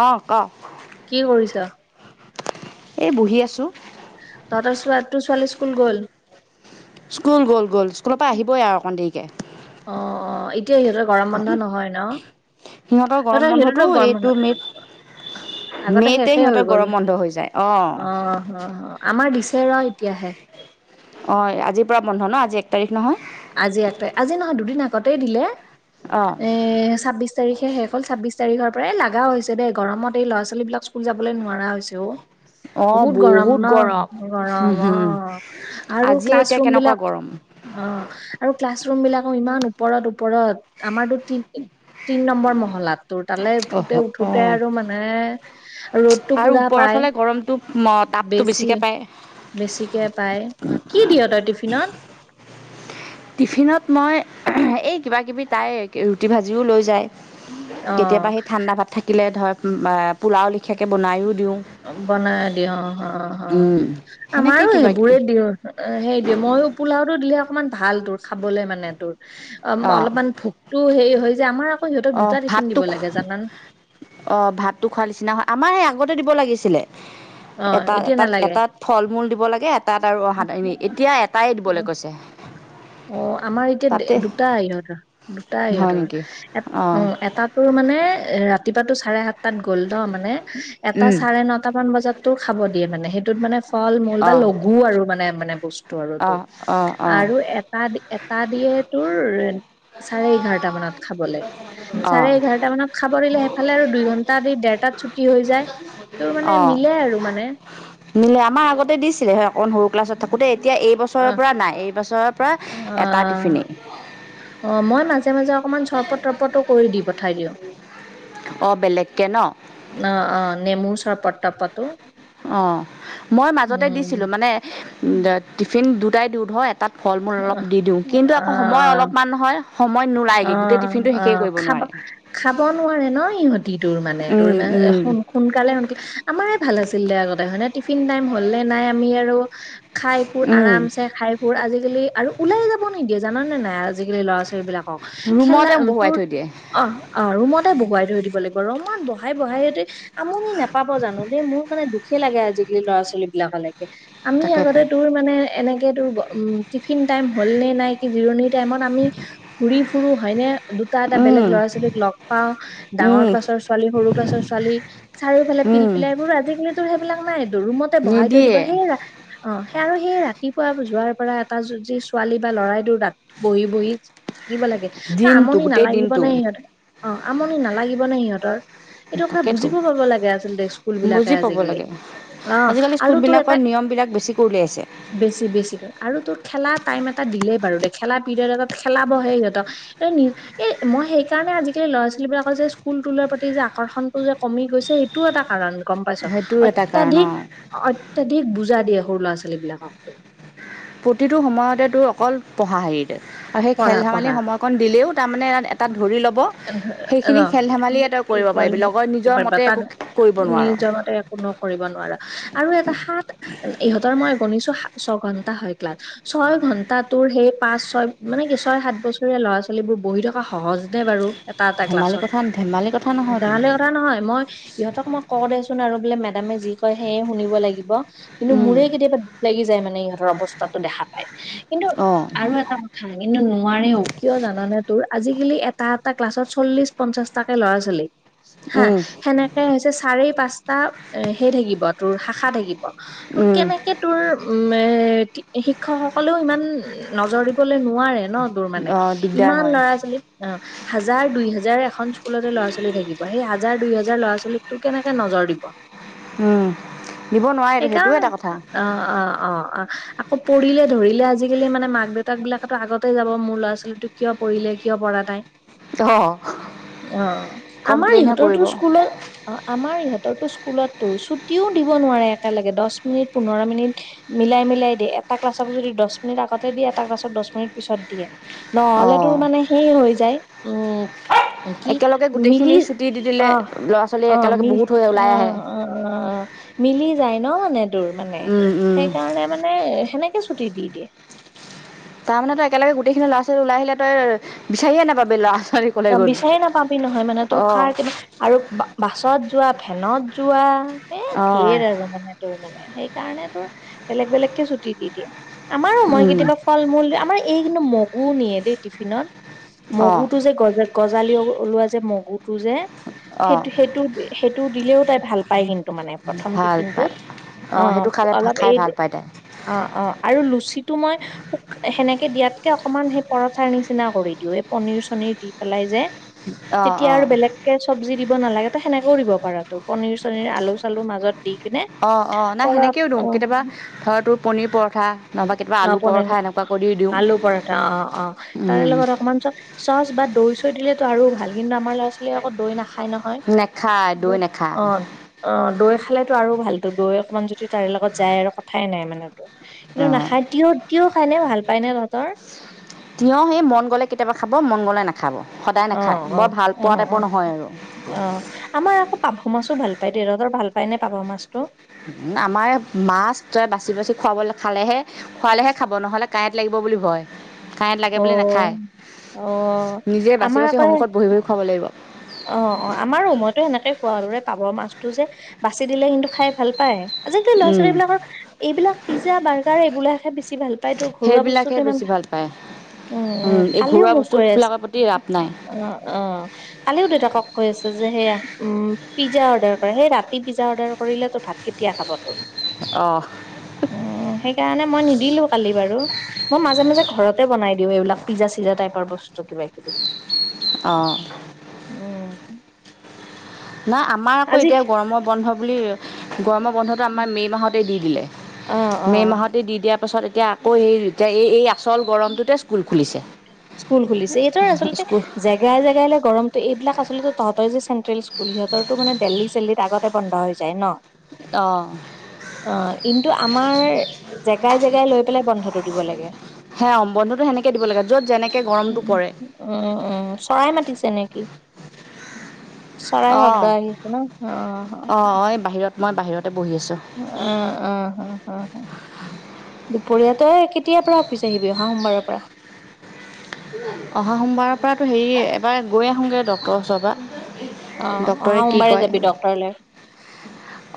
অ, কওক। কি কৰিছ? এই বহি আছোঁ। তহতৰ তুৰ ছোৱালী স্কুল গ'ল। স্কুল গ'ল গ'ল স্কুলৰ পৰা আহিবই আৰু অকণ দেৰিকে। অ', অ', এতিয়া সিহতেৰ গৰম বন্ধা নহয় ন সিহঁতৰ গৰম দাদা বন্ধটো সিহতেতো গৰম এইটো মে'ত বন্ধ। আগতে মে'তে শেষেই হৈ সিহঁতৰ গ'ল গৰম বন্ধ হৈ যায় অঁ অ অ। আমাৰ দিছে ৰ এতিয়াহে। অ, আজিৰ পৰা বন্ধ ন আজি এক তাৰিখ নহয় আজি আতে আজি নহয় দুদিন আগতেই দিলে। অঁ এ ছাব্বিশ তাৰিখে শেষ। অকল ছাব্বিশ তাৰিখৰ পৰা এ লগাও হৈছে দেই গৰমত এই ল'ৰা ছোৱালী বিলাক স্কুল যাবলৈ নোৱাৰা হৈছে অ অঁ বহুত গৰম ন গৰম হুম, গৰম অ, হুম, আৰু আজি ক্লাছ এতিয়া ৰুম কেনেকুৱা বিলাক গৰম অ, আৰু ক্লাছ ৰুম বিলাকো ইমান ওপৰত - ওপৰত আমাৰো তি - তিন নম্বৰ মহলাত। তোৰ তালৈ অহ উঠোতে- উঠোতে অঁ আৰু মানে ৰ'দতটো পুৰা পাই। তটাপটো বেছিকৈ পায়। বেছিকে পাই কি দিয় তই টিফিনত। টিফিনত মই এই কিবা কিবি তাই ৰুটি ভাজিও লৈ যায় অ', কেতিয়াবা সেই ঠাণ্ডা ভাত থাকিলে ধৰ পোলাও লেখীয়াকৈ বনায়ো দি বনাই দি অ - অ উম সেনেকে আমাৰো কিবা সেইবোৰে কিবি দিও সেই দিও। মইো পোওটো দিলে অকমান ভাল তোৰ খাবলে মানে তোৰ অ, অলপমান ভোকতটো হেৰি হয় যে আমাৰ। সিহঁতক অ দুটা টিফিন ভাতটো দিব লাগে জানান অ ভাতটো খোৱা নিচিনা হয় আমাৰ সেই আগতে দিব লাগিছিলে অ এটা এতিয়া এতাত নালাগে এটাত ফল মূল দিব লাগে তাত আৰু অহা এ এতিয়া এটাই অ দিবলৈ কৈছে অ, আমাৰ এতিয়া তাতে দুটা আহ ইহতৰ। দুটাাই হয় সিহতৰ নেকি এ অ, এটাাতো মানে ৰাতিপুৱাতো চাৰে সাত তাত গ'ল ন মানে এটা উম চাৰে নটা মান বজাত তো খাব দিয়ে মানে সেইটোত মানে ফল মূল অ বা লগু আৰু মানে - মানে বস্তু আৰু অ তোৰ অ অ আৰু। এটা - এটা দিয়ে তোৰ চাৰে এঘাৰটা মানত। খাবলৈ অ চাৰে এঘাৰটা মানত খাব দিলে সেইফালে আৰু দুই ঘন্টা দেৰটাত ছুটি হৈ যায়। তোৰ অ মানে মিলে আৰু মানে নিলে আমাৰ আগতে দিছিলে অকণ সৰু ক্লাছত থাকোতে এতিয়া অ এইবছৰৰ পৰা নাই। এইবছৰৰ পৰা এটা অ- টিফিনেই অ, মই। মাজে - মাজে অকমান চৰপট তৰপটো কৰি দি পঠাই দিও। অ বেলেগকৈ ন অ - অ নেমু চৰপট পাতো। অ মই মাজতে দিছিলো মানে উ টিফিন দুটাই দিওঁ ধৰ এটাত ফল মূল অ অলপ দি দিওঁ কিন্তু আকৌ সময় অলপমান নহয় সময় অ নোলায়গৈ গোটেই টিফিনটো অ শেষেই কৰিব খাব নোৱাৰে খাব নোৱাৰে ন ইহতিত তোৰ মানে তোৰ উম, ইমান উম, সোনকালে সোনকালে আমাৰে ভাল আছিল দে আগতে হয়নে টিফিন টাইম হলে নাই আমি আৰু খাই ফোৰ উম, আৰাম চ খাই ফুৰ আজি। আৰু ওলাই যাব নিদিয়ে জানে নাই আজিকালি ল'ৰা ছোৱালীক সবিলাকক খেল ৰুমতে বহুৱাই তোৰ থৈ দিয়ে অ - অ ৰুমতে বহুৱাই থৈ দিব লাগিব। ৰমত বহাই বহাইতে আমনি নোপাব জানো দেই মোৰ মানে দুখে লাগে আজিকালি ল'ৰা ছোৱালী বিলাকলৈকে আমি তাকেতো আগতে তোৰ মানে এনেকে তোৰ উ টিফিন টাইম হ'ল নে নাই কি জিৰণি টাইমত আমি ঘূৰি ফুৰো হয়নে দুটা এটা বেলেগ লৰা ছোৱালীক লগ পাম ডাঙৰ ক্লাছৰ ৱালী সৰু ক্লাছৰ ছোৱালী চাৰিওফালে পিল- পিলাইোৰ আজিকালি সেইবিলাক নাই ৰুমতে বহাই থৈ দিব। নিদিয়ে বহেৰা অ আৰু সেই ৰাতিপুৱা যোৱাৰ পৰা এটা যি ছোৱালী বা লৰাইটোৰ তাত বহি বহি থাকিব লাগে ন দিনটো আমনি গোটেই নালাগিব দিনটো নে সিহঁতৰ অ আমনি নালাগিব নে সিহঁতৰ এইটো কথা তাকেতো বুজিব পাব লাগে আচলতে স্কুল বিলাকে বুজি পাব আজিকালি লাগে অ আজিকালি আৰু তোৰ স্কুলবিলাকৰ এটা নিয়মবিলাক বেছিকৈ উলিয়াইছে বেছি বেছি আৰু তোৰ খ খেলা টাইম এটা দিলে বাৰু দে খেলা পিৰিয়ড এ খেলা বহে সিহঁত এ মই সেইকাৰণে আজিকালি ল'ৰা ছোৱালী বিলাকৰ যে স্কুল তোলাৰ প্ৰতি যে আকৰ্ষনতটো যে কমি গৈছে সেইটোও এটা কাৰণ গম পাইছ সেইটোও এটা কাৰণ অত্যধিক অঁ অত্যধিক বুজা দিয়ে সৰু ল'ৰা ছোৱালী বিলাকক প্ৰতিটো সময়তে তোৰ অকল পঢ়া হেৰিত আৰু সেই খেল পঢ়া ধেমালি পঢ়া সময়কণ দিলেও তাৰমানে এটাত ধৰি ল'ব [unintelligible] সেইখিনি খেল ধেমালিয়ে তই কৰিব পাৰিবি লগৰ নিজৰ মতে একো কৰিব নোৱাৰ নোৱাৰা আৰু এটা সাত ইহঁতৰ মই গনিছো ছয় ঘন্টা হয় ক্লাছ ছয় ঘন্টা তোৰ সেই পাঁচ ছয় মানে কি ছয় সাত বছৰীয়া ল'ৰা ছোৱালীবোৰ বহি থকা সহজ নে বাৰু [unintelligible] ধেমালি কথা ধেমালি কথা নহয়তো মেদামে যি কয় সেয়ে শুনিব লাগিব কিন্তু মোৰে কেতিয়াবা দুখ লাগি যায় মানে ইহঁৰ অৱস্থাতো দেখাত কিন্তু অঁ আৰু এটা কথা কিন্তু নোৱাৰেও কিয় জানানে তোৰ আজিকালি এটা [unintelligible] এটা সেই থাকিব তোৰ শাখা থাকিব তোৰ কেনেকে তোৰ শিক্ষকসকলেও ইমান নজৰ দিবলৈ নোৱাৰে ন দোৰ মানে অঁ দিগদাৰ ইমান হয় লৰা ছোৱালীক অ হাজাৰ দুই হাজাৰ এখন স্কুলতে ল'ৰা ছোৱালী থাকিব সেই হাজাৰ দুই হাজাৰ ল'ৰা ছোৱালীকটো কেনেকে নজৰ দিব দিব নোৱাৰেতো সেইটোও সেইকাৰণে এটা কথা অ অ অ অ আকৌ পৰিলে ধৰিলে আজিকালি মানে মাক দেউতাক বিলাকতো আগতেই যাব মোৰ ল'ৰা ছোৱালীতো কিয় [unintelligible] অ অ আমাৰ ইহঁতৰতো কৰিব স্কুলত অ আমাৰ ইহঁতৰতোঁক স্কু স্কুলতোৰ ছুটিও দিব নোৱাৰে একেলগে দ মিনিট পোন্ধৰ মিনিট মিলাই মিলাই দিয় এটা ক্লাছত যদি দহ মিনিট আগতে দিয়ে তাৰ পাছত দহ মিনিট পিছত দিয়ে নহলে অঁ তোৰ মানে সেই হৈ যায় উম কি একেলগে মিলি গোটেইখিনি ছুটি দি দিলে আহ ল'ৰা ছোৱালী অ ম একেলগে বহুত হৈ অ ওলাই অ অ মিলি যায় ন মানে দূৰ মানে আহে সেইকাৰণে মানে সেনেকে ছুটি দি দিয়ে তাৰমানে তই একেলগে গোটেইখিনি ল'ৰা ছোৱালী লাই আহিলে তই বিচাৰিয়ে নাপাবি লৰা ছ বিচাৰি নাপাবি নহয় মানে তোৰ অঁ খাই কিন্ত আৰু গছত যোৱা ফেনত যোৱা এ অঁ ঢেৰ আৰু মানে তোৰ মানে সেইকাৰণে বেলেগ বেলেগকে ছুটি দি দিয়ে আমাৰো মই উম কেতিয়াবা ফল মূল আমাৰ এই কিন্তু মগ মগু নিয়ে দেই টিফিনত অঁ মগু টো যে গ গজালি ওলোৱা যে মগু টো যে সেই অঁ সেইটো সেইটো দিলেও তাই ভাল পায় কিন্তু মানে প্ৰথম ভাল টিফিনটোত পায় অ অঁ সেইটো খালে অলপ খাই এই ভাল পায় তাই অ অ আৰু লুচিটো মই শোক সেনেকে দিয়াতকে অকমান সেই পৰঠাৰ নিচিনা কৰি দিও এই পনিৰ চনিৰ দি পেলাই যে অঁ তেতিয়া অঁ আৰু বেলেগকে চব্জি দিব নালাগে তো সেনেকেও দিব পাৰ তো পনীৰ চনীৰ আলু চালু মাজত দি পিনে অ অ নাই পৰ সেনেকেও দিওঁ অ কেতিয়াবা ধৰা তো পনিৰ পৰঠা নহবা কেতিয়া অ আলু পনিৰ পৰঠা এনেকুৱা কৰি দিওঁ আলু পৰঠা অ অ তাৰ উম লগত অকমান চচ পৰিচয় দিলেেতো আৰু ভাল কি আমাৰ ল'ৰা ছোৱালীয়ে আকৌ দৈ নাখায় নহয় নেখায় দৈ নেখায় অ অ দৈ খালেতো আৰু ভালতো গৈ অকণমান যদি তাৰে লগত যায় আৰু কথাই নাই মানে কিন্তু অঁ নাখায় টিয় খাইনে ভাল পায় ন তহঁতৰ তিঁয় সেই মন গ'লে কেতিয়াবা খাব মন গ'লে নাখাব সদায় আহ নাখায় আহ বৰ ভাল পোৱা আহ আহ। টাইপৰ নহয় আৰু অ', আমাৰ আকৌ পাভ মাছো ভাল পায় দে তহঁতৰ ভাল পায় নে পাভ মাছটো। উ আমাৰ মাছ তই বাচি বাচি খুৱাবলৈ খালেহে খোৱালেহে খাব নহ'লে কাঁইট লাগিব বুলি ভয়। কাঁইট লাগে অ বোলে নাখায়। অ নিজে বাচি আমাৰ বাচি আকৌ সন্মুখত বহি বহি খুৱাব লাগিব। অ', অ', আমাৰো মইতো সেনেকে কোৱা দৰে পাভ মাছটো যে বাচি দিলে কিন্তু খাই ভাল পায়। আজিকালি ল'ৰা উম, ছোৱালীবলাকৰ এইবিলাক পিজ্জা বাৰ্গাৰ এইবিলাকহে বেছি ভাল পায় তোৰ ঘৰুৱা সেইবিলাকে বস্তুত ইমান বেছি ভাল পায়। উম উম এই কালিও ঘৰুৱা মোক কৈ আছে বস্তুবিলাকৰ প্ৰতি ৰাপ নাই অ কালিও দেউতাকক কৈ আছে যে সেয়া উম পিজ্জা অৰ্ডাৰ কৰে সেই ৰাতি পিজ্জা অৰ্ডাৰ কৰিলে তো ভাত কেতিয়া খাব অ'। উ সেইকাৰণে মই নিদিলো কালি বাৰু মই মাজে মাজে ঘৰতে বনাই দি এইবিলাক পিজ্জা চিজ্জা টাইৰ বস্তু কিবা কিবি অ'। উম নাই আমাৰ আকৌ আজি এতিয়া গৰমৰ বন্ধ বুলি গৰমৰ বন্ধটো আমাৰ মে' মাহতে দি দিলে অ অ মে' মাহতে দি দিয়াৰ পাছত এতিয়া আকৌ সেই এতিয়া এই এই আচল গৰমটোতে স্কুল খুলিছে স্কুল খুলিছে এইটো আচলতে স্কুল জেগাই জেগাইে গৰমতটো এইবিলাক অ'। আচলতে তহঁতৰ যে চেট্ৰেল স্কুল সিহঁতৰটো মানে দেল্লী চেল্লিত আগতে বন্ধ হৈ যায় ন'। অ অ', কিন্তু আমাৰ জেগাই জেগাই লৈ পেলাই বন্ধটো দিব লাগে। সেয়া বন্ধটো সেনেকৈ দিব লাগে য'ত যেনেকৈ গৰমটো উম, পৰে উম চৰাই মাতিছে নেকি? চাৰাই অঁ শব্দ আহি আছে ন‌' অ', হ হ। অঁ এই বাহিৰত মই বাহিৰতে বহি আছোঁ অ অ অ অ দুপৰীয়া তই কেতিয়াৰ পৰা অফিচ আহিবি অহা সোমবাৰৰ পৰা [unintelligible] অহা সোমবাৰৰ পৰাতো হেৰি এবাৰ গৈ আহোঁগৈ ডক্টৰৰ ওচৰ অ পৰা অহা ডক্তৰে কি সোমবাৰে কয় যাবি ডক্তৰলৈ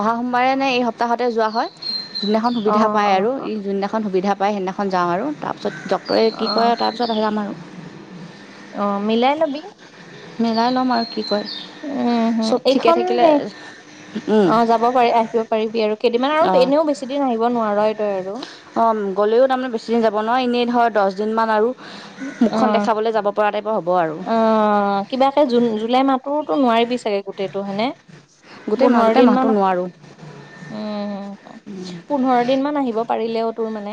অহা সোমবাৰে নে এই সপ সপ্তাহতে যোৱা হয় যোনদিনাখন অ সুবিধা পায় অ আৰু অ ই যোনদিনাখন সুবিধা পায় সেইদিনাখন যাওঁ আৰু তাৰ। ডক্টৰেট কি কৰে অ তাৰপিছত হেৰাম [unintelligible] ম আৰু অ', মিলাই ল'বি। মিলাই ল'ম আৰু কি কয় উম হম চব ঠিকে এইখন থাকিলে সেই অ', যাব পাৰি আহিব পাৰিবি আৰু কেইদিনমান আৰু অঁ এনেও বেছিদিন আহিব নোৱাৰই তই আৰু। অ গ'লেও তাৰমানে বেছিদিন যাব নহয় এনেই ধৰ দহ দিনমান আৰু অ মুখখন দেখাবলৈ যাব পৰা টাইপৰ হ'ব আৰু অ কিবাকে জুন জুলাই মাহতৰোতো নোৱাৰিবি চাগে গোটেইটোনে হয় নে গোটেই মাহ পোন্ধৰ গোটেই মাহটো দিনমান উম নোৱাৰোঁ উম পোন্ধৰ দিন মান আহিব পাৰিলেও তোৰ মানে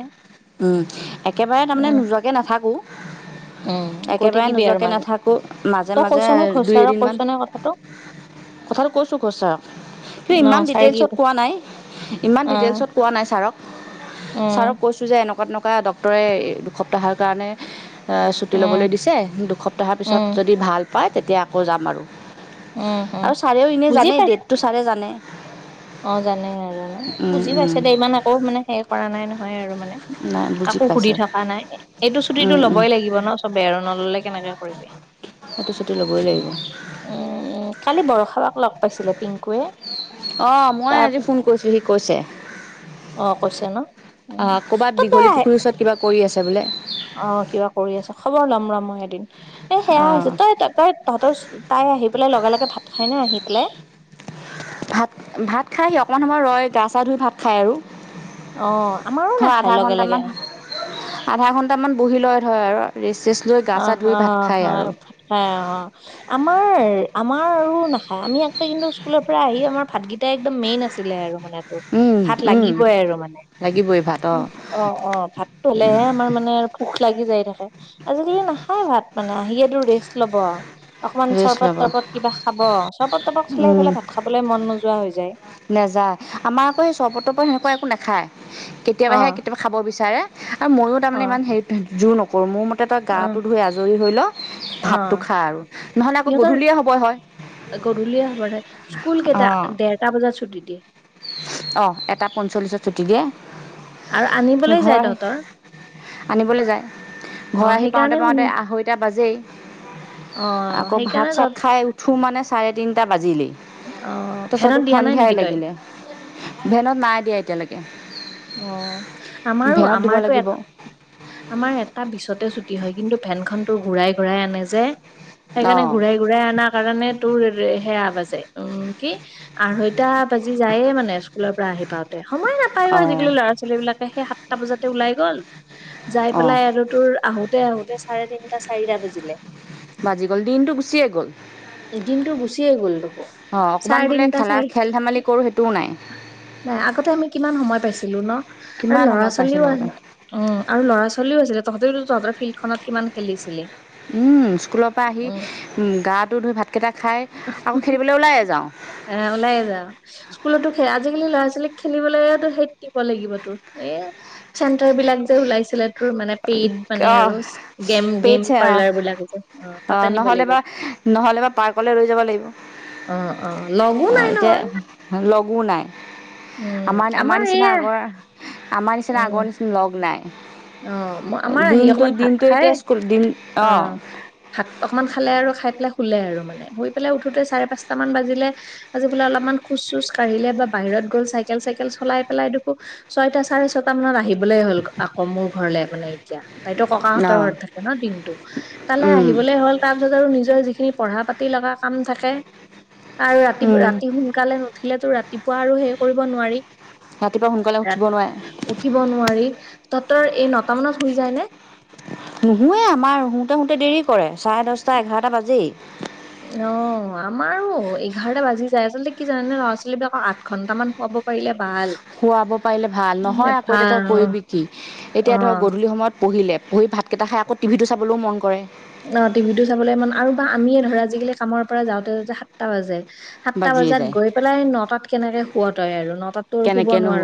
উম একেবাৰে তাৰমানে উম নোযোৱাকে নাথাকো। [unintelligible] উম গৈ থাকিবি আৰু নাথাকোঁ মাজত মাজে তই মাজে কৈছো নে ঘচক ছাৰক কৈছো নে কথাটো কথাাত কৈছো ঘচ ছাৰক কিন্তু ন ইমান ছাৰে কি ডিটেইলছত কৈছে কোৱা নাই ইমান অ ডিটেইলছত কোৱা নাই ছাৰক উম ছাৰক কৈছোঁ যে এনেকুৱা তেনেকুৱা ডক্টৰে দুসপ্তাহৰ কাৰণে ছুটি উম, ল'বলৈ দিছে দুসপ্তাহৰ পিছত উম, যদি ভাল পায় তেতিয়া আকৌ যাম আৰু। উম, উম, আৰু ছাৰেও এনে বুজি জানে পাইছ ডেট টো ছালে জানে। অ', জানে আৰু ন বুজি পাইছে দে ইমান আকৌ মানে হে কৰা নাই নহয় আৰু মানে। নাই বুজি কাকো সুধি পাইছে থকা নাই এইটো ছুটিটো লবই লাগিব ন' চবে আৰু নললে কেনেকে কৰিবি সেটো ছুটি ল'বই লাগিব। উম, উম, কালি বৰষাবাক লগ পাইছিলে পিংকুৱে। অঁ মই তাৰ আজি ফোন কৰিছিলোঁ সি কৈছে অ কৈছে ন উ ক'ৰবাত তই তই দীঘলী আহে পুখুৰীৰ ওচৰত কিবা কৰি আছে বোলে অ কিবা কৰি আচে খবৰ ল'ম ৰ মই এদিন এ সেয়াছ অঁ তই ত তই তহঁতৰ তাই আহি পেলাই লগে লগে ভাত, খাই নে আহি পেলাই ভাত ভাত খাইহি অকমান সময় ৰয় গা চা ধুই ভাত খাই আৰু অ', আমাৰো থ নাখায় আধা লগে লগে ঘন্টামান আধা ঘন্টামান বহি লয়। হয় আৰু ৰিষ্ট, অ অ অ হয় অ আমাৰ, আমাৰ আৰু নাখায় আমি আগতে কিন্তু স্কুলৰ পৰা আহি আমাৰ ভাতকেইটাই একদম মেইন আছিলে আৰু টো উম ভাত উম লাগিবই আৰু মানে। লাগিবই ভাত অঁ অ অ ভাতটো হলেহে আমাৰ মানে আৰু লাগি যায় থাকে আজিকালি নাখায় ভাত মানে আহিয়ে তো ৰেষ্ট ল'ব। অকমান ৰেষ্ট চৰবত ল'ব তৰবত কিবা খাব চৰবত তৰবত খালে সেইফালে ভাত খাবলৈ মন নোযোৱা হৈ যায়। নাযায় আমাৰ আকৌ সেই চৰবত তৰবত সেনেকুৱা একো নাখায়। কেতিয়াবাহে অ', কেতিয়াবা খাব বিচাৰে আৰু ময়ও তাৰমানে অ', ইমান হেৰি জোৰ নকৰো মোৰ তই অ', গাটো ধুই আজৰি হৈ ল ভাতটো অ', খা আৰু নহলে আকৌ গধূলিয়ে হব হয় গধূলি হবঢ়ে স্কুল কেইটা দেৰটা বজাত ছুটি দি অ এটা পঞ্চল্লিশত ছুটি দিয়ে। আৰু আনিবলৈ ঘৰ যায় আহি তহঁতৰ আনিবলৈ যায় ঘৰ অ', আহি সেইকাৰণে পাওঁতে সোন পাওঁতে আঢ়ৈটা বাজেই। অ আকৌ ভাত সেইকাৰণে চাত তত খাই উঠো মানে চাৰে তিনটা বাজিলেই। অ ভেদত তাৰছতোক দিয়া নাই সন্ধিয়াই নেকি তই লাগিলে ভেনত নাই দিয়া এতিয়ালৈকে। অ আমাৰো ভেনত দিব আমাৰতো এ লাগিব আমাৰ এটা বিছতে ছুটি হয় কিন্তু, ভেন খনতো ঘূৰাই ঘুৰাই আনে যে সেইকাৰণে অঁ ঘুৰাই ঘুৰাই আনাৰ কাৰণে, তোৰ সেয়া বাজে উম কি আঢ়ৈটা বাজি যায়ে মানে স্কুলৰ পৰা আহি পাওতে সময় নাপায়ো অঁ আজিকালি ল'ৰা ছোৱালী বিলাকে সেই সাতটা বজাতে ওলাই গ'ল। যাই অঁ পেলাই আৰু তোৰ আহোতে আহোতে চাৰে তিনিটা চাৰিটা বাজিলে। বাজি গ'ল দিনটো গুচিয়েই গ'ল। গুছিয়ে গ'লটো। অঁ অকণমান চাৰে বোলে তিনটা, খেলা চাৰি খেল ধেমালি কৰোঁ সেইটোও নাই নাই আগতে আমি কিমান সময় পাইছ‌ কো ন' আৰু কিমান ল'ৰা সময় পাইছোঁ ছোৱালীও অ', লগতে আৰু ল'ৰা ছোৱালীও আছিলে তহ [unintelligible] তহঁতৰ ফিল্ডখনত কিমান খেলিছিলে। উম স্কুলৰ পৰা আহি উম গাটো ধুই ভাতকেইটা খাই আকৌ খেলিবলৈ ওলাই এ যাওঁ আহ ওলাই যাওঁ স্কুলতো সেইয়া আজিকালি ল'ৰা ছোৱালী খেলিবলে হে হেইত দিব লাগিব তোৰ এ চেণ্টাৰবিলাক যে ওলাইছিলে তোৰ মানে পেইড মানে অঁ আৰু গেম গেম পাৰ্লাৰবিলাক যে। অ তাতে নিব নহলে লাগিব বা নহ'লে বা পাৰ্কলৈ ৰৈ যাব লাগিব অ অ লগো আহ নাই এতিয়া নহয় লগ উম আমাৰ আমাৰ নিচিনা এয়া আগৰ, আমাৰ নিচিনা উম আগৰ নিচিনা লগ নাই। অ আমাৰ আহি দিনটো অকমান ভাত দিনটো খাই এতিয়া স্কুল দিন অঁ অ', ভাত অকমান খালে আৰু খাই ফিলে শুলে আৰু মানে শুই পেলাই উঠোতে চাৰেি পাঁচটা মান বাজিলে আজি বো অলপমান খোজ চোজ কাঢ়িলে বা বাহিৰত গ'ল চাইকেল চাইকেল চলাই পেলাই দেখো ছয়টা চাৰে ছয়টা মানত আহি ব'লে হ'ল আকৌ মোৰ ঘৰলে মানে এতিয়া। তাইতো ককাহঁতৰ অঁ ঘৰত থাকে ন দিনটো তালে আহিবলৈ হ'ল তাৰপিছত আৰু নিজৰ যি খিনি পঢ়া পাতি লগা কাম থাকে আৰু ৰাতি উম ৰাতি সোনকালে নু উঠিলেটে ৰাতিপুৱা আৰু সেই কৰিব নোৱাৰি। ৰাতিপুৱা সোনকালে উঠিব ৰাত নোৱাৰে উঠিব নোৱাৰি, ততৰ এই নটা মানত শুই যায় নে? নুশুয়েই আমাৰ শুতে শুতে দেৰি কৰে চাৰে দশটা, এঘাৰটা বাজেই। অঁ আমাৰো এঘাৰটা বাজি যায় আচলতে কি জানে নে ল'ৰা ছোৱালী বিলাকক আঠ ঘন্টা মান খোৱাব পাৰিলে ভাল। খুৱাব পাৰিলে ভাল নহয় আকৌ এতিয়া ভাল তই কৰিবি কি এতিয়া ধৰ অ', গধূলি সময়ত পঢ়িলে পঢ়ি ভাতকেইটা খাই আকৌ টিভিটো চাবলৈও মন কৰে অ টিভিটো চাবলৈ ইমান আৰু বা আমিয়ে ধৰ আজিকালি কামৰ পৰা যাওঁতে যাওঁতে সাতটা বাজে সাতটা বাজিয়ে বজাত যায় গৈ পেলাই নটাত কেনেকে শুৱ তই আৰু নটাত তো শুব নোৱাৰো। কেনেকেনো